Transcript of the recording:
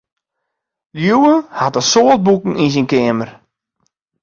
Liuwe hat in soad boeken yn syn keamer.